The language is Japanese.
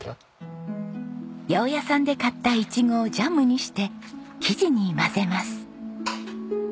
八百屋さんで買ったイチゴをジャムにして生地に混ぜます。